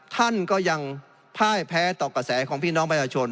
ท่านก็ยังพ่ายแพ้ต่อกระแสของพี่น้องประชาชน